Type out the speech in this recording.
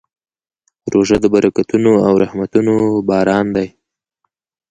روژه د برکتونو او رحمتونو باران دی.